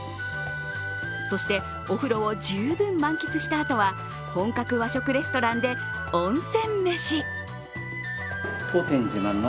そしてお風呂を十分、満喫したあとは本格和食レストランで温泉飯。